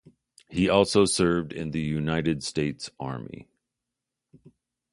He also served in the United States Army.